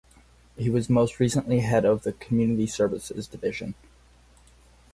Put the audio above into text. He was most recently head of the Community Services Division.